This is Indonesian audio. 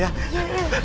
iya deh om